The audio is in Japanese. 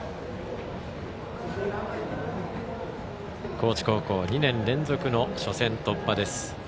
高知高校２年連続の初戦突破です。